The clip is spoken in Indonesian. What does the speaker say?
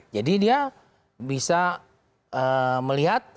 jadi dia bisa melihat